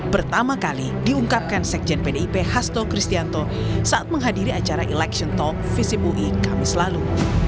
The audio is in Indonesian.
pertama kali diungkapkan sekjen pdip hasto kristianto saat menghadiri acara election talk visip ui kamis lalu